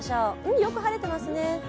よく晴れていますね。